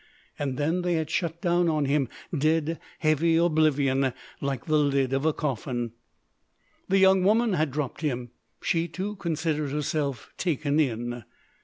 And then they had shut down on him dead, heavy oblivion, like the lid of a coffin. The young woman had dropped him. She too considered herself taken in.